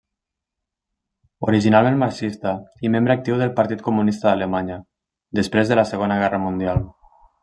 Originalment marxista i membre actiu del Partit Comunista d'Alemanya, després de la Segona Guerra Mundial.